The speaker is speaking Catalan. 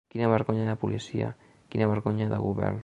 Quina vergonya de policia, quina vergonya de govern.